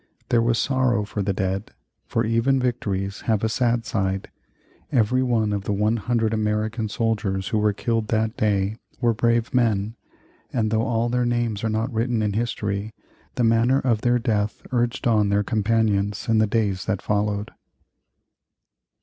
There was sorrow for the dead, for even victories have a sad side. Every one of the 100 American soldiers who were killed that day were brave men, and though all their names are not written in history, the manner of their death urged on their companions in the days that followed.